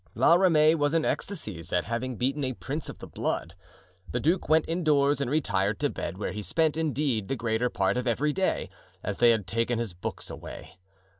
La Ramee was in ecstasies at having beaten a prince of the blood. The duke went indoors and retired to bed, where he spent, indeed, the greater part of every day, as they had taken his books away.